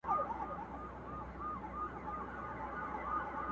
دیدن په لک روپۍ ارزان دی٫